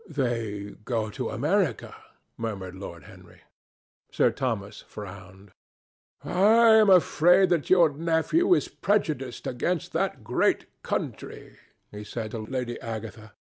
"They go to America," murmured Lord Henry. Sir Thomas frowned. "I am afraid that your nephew is prejudiced against that great country," he said to Lady Agatha.